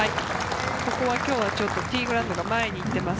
ここはティーグラウンドが前に行っています。